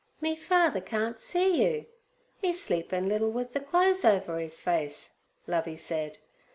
'Me father can't see you. 'E's sleepin' little with the clothes over his face,' Lovey said.